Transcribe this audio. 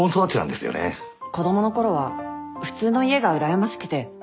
子供のころは普通の家がうらやましくて。